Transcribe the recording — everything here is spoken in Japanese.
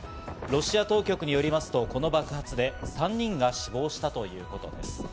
ロシア当局によりますと、この爆発で３人が死亡したということです。